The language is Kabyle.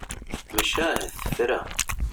Maca ahat tefra.